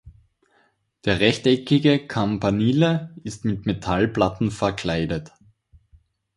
Der rechteckige Campanile ist mit Metallplatten verkleidet.